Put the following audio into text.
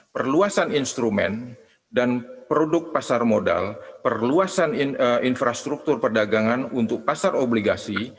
perluasan instrumen dan produk pasar modal perluasan infrastruktur perdagangan untuk pasar obligasi